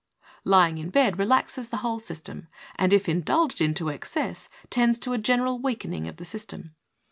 Ly ing in bed relaxes the whole system, and if indulged into excess tends to a general weak ening of the system.